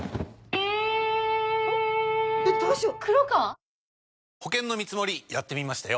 えっどうしよう！